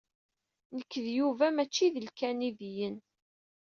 Nekk d Yuba mačči d Ikanidiyen.